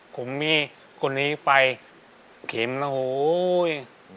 คงมีคนนี้ไปเข็มแล้วโหย